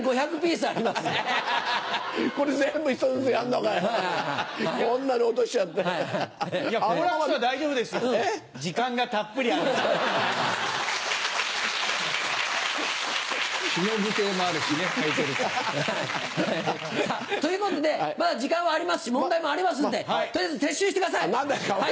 さぁということでまだ時間はありますし問題もありますんで取りあえず撤収してください。